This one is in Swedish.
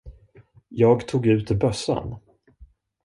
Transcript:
Jag tog ut bössan.